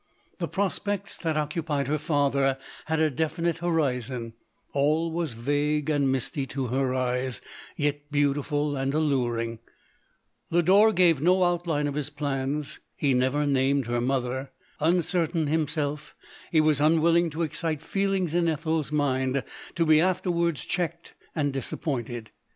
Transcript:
The prospects that occupied her father had a definite horizon : all was vague and misty to her eyes, yet beautiful and allur ing. Lodore gave no outline of his plans : he never named her motlur. Uncertain himself, he was unwilling to excite feelings in EtheFs mind, to be afterwards cheeked and disap pointed.